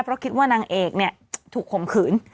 เพราะคิดว่านางเอกเนี่ยถูกข่มขืน